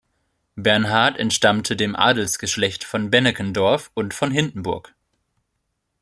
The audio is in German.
Bernhard entstammte dem Adelsgeschlecht von Beneckendorff und von Hindenburg.